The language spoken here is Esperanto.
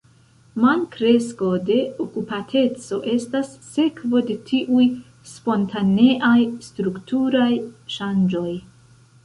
Malkresko de okupateco estas sekvo de tiuj spontaneaj strukturaj ŝanĝoj.